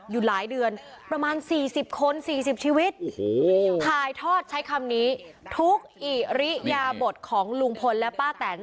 อยู่หลายเดือนประมาณสี่สิบคนสี่สิบชีวิตโอ้โหถ่ายทอดใช้คำนี้ทุกของลุงพลและป้าแตน